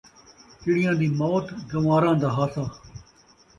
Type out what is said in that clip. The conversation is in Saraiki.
چڑیاں دی موت ، گن٘واراں دا ہاسا